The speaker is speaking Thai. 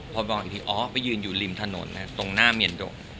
พอมองอีกทีอ๋อไปยืนอยู่ริมถนนตรงหน้าเมียนดง